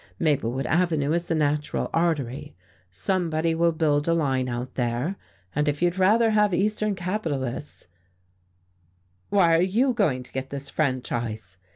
Maplewood Avenue is the natural artery, somebody will build a line out there, and if you'd rather have eastern capitalists " "Why are you going to get this franchise?"